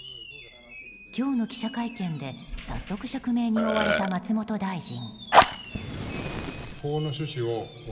今日の記者会見で早速、釈明に追われた松本大臣。